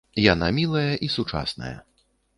Яна мілая і сучасная.